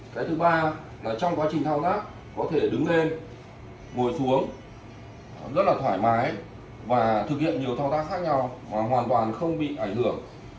cái thứ ba là trong quá trình thao tác có thể đứng lên ngồi xuống rất là thoải mái và thực hiện nhiều thao tác khác nhau hoàn toàn không bị ảnh hưởng